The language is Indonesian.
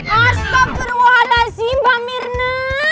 astaghfirullahaladzim mbak mirna